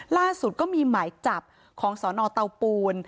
ล่าสุดก็มีหมายจับของสนเตาปูน